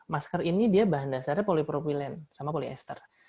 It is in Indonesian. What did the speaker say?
masker ini dia bahan dasarnya polipropilen sama poliester